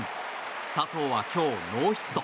佐藤は今日ノーヒット。